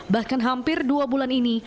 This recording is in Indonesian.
bahkan hampir dua bulan ini